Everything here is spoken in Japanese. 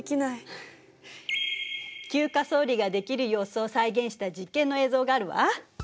級化層理ができる様子を再現した実験の映像があるわ。